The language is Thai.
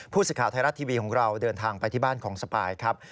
ผู้สินค้าไทยรัฐทีวีเราเดินทางไปที่บ้านของสปายครับ